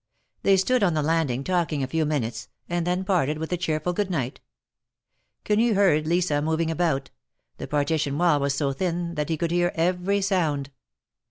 They stood on the landing talking a few minutes, and then parted with a cheerful good night. Quenu heard Lisa moving about ; the partition wall was so thin that he could hear every sound.